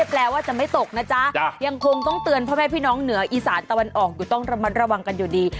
แปลว่าจะไม่ตกนะจ๊ะยังคงต้องเตือนพ่อแม่พี่น้องเหนืออีสานตะวันออกอยู่ต้องระมัดระวังกันอยู่ดี